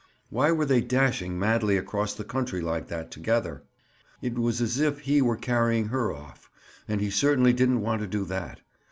Why were they dashing madly across the country like that together? It was as if he were carrying her off, and he certainly didn't want to do that.